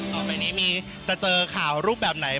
ต่อไปนี้มีจะเจอข่าวรูปแบบไหน